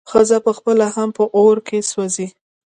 ښځه به پخپله هم په اور کې وسوځي.